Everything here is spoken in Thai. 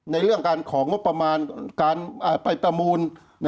ในเรื่องการของงบประมาณการไปประมูล